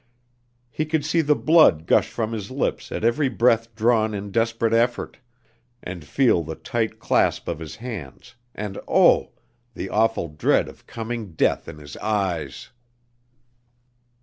He could see the blood gush from his lips at every breath drawn in desperate effort, and feel the tight clasp of his hands and oh! the awful dread of coming death in his eyes!